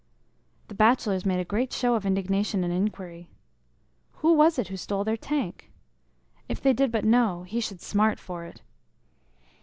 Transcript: The bachelors made a great show of indignation and inquiry. Who was it stole their tank? If they did but know, he should smart for it.